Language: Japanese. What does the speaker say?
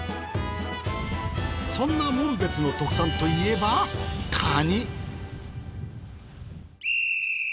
そんな紋別の特産といえばカニ。